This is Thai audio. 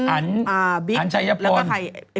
อันชายญะปรณ์